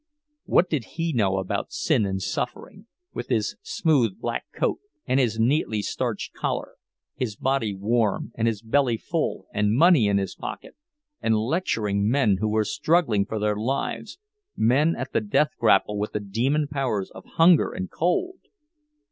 What did he know about sin and suffering—with his smooth, black coat and his neatly starched collar, his body warm, and his belly full, and money in his pocket—and lecturing men who were struggling for their lives, men at the death grapple with the demon powers of hunger and cold!